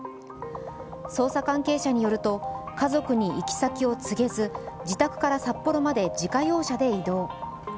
捜査関係者によると家族に行き先を告げず自宅から札幌まで自家用車で移動。